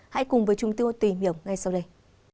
hãy cùng với chúng tôi tìm hiểu ngay sau đây